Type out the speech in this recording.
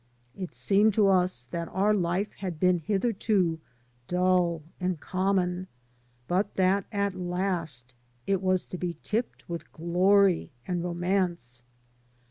It seemed to us that our life had been hitherto dull and common, but that at last it was to be tipped with glory and romance.